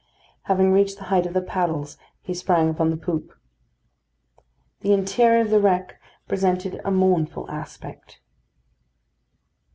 Having reached the height of the paddles, he sprang upon the poop. The interior of the wreck presented a mournful aspect.